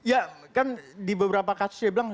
ya kan di beberapa kasus dia bilang